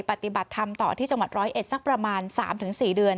ปฏิบัติธรรมต่อที่จังหวัดร้อยเอ็ดสักประมาณ๓๔เดือน